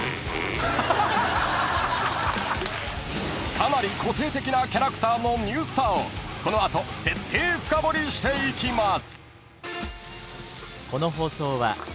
［かなり個性的なキャラクターのニュースターをこの後徹底深掘りしていきます］